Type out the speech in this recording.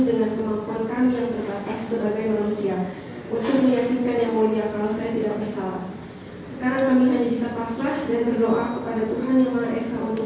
dengan mencari penyelesaian yang lebih baik